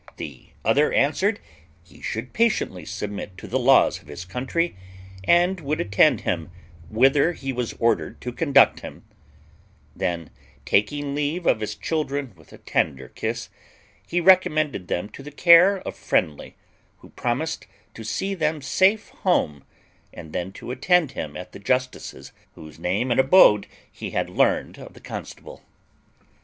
The other answered, "He should patiently submit to the laws of his country, and would attend him whither he was ordered to conduct him;" then, taking leave of his children with a tender kiss, he recommended them to the care of Friendly, who promised to see them safe home, and then to attend him at the justice's, whose name and abode he had learned of the constable.